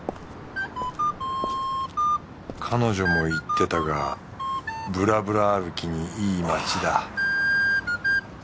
彼女も言ってたがぶらぶら歩きにいい街だ